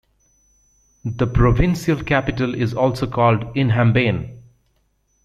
The provincial capital is also called Inhambane.